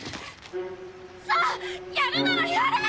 さあやるならやれ！！